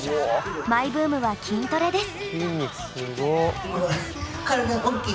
マイブームは筋トレです。